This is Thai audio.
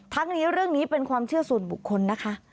ทั้งนี้เรื่องนี้เป็นความเชื่อส่วนบุคคลนะคะ